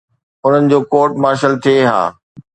انهن جو court martial ٿئي ها.